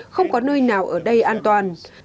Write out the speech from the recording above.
không có nơi nào ở đây an toàn